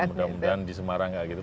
mudah mudahan di semarang nggak gitu